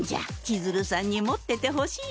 千鶴さんに持っててほしいんじゃ。